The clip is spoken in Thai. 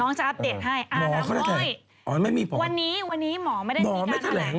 น้องจะอัปเดตให้อาน้ำอ้อยวันนี้วันนี้หมอไม่ได้ทะแหลง